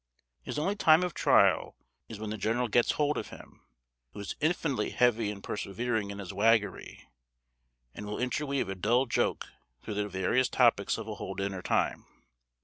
His only time of trial is when the general gets hold of him, who is infinitely heavy and persevering in his waggery, and will interweave a dull joke through the various topics of a whole dinner time.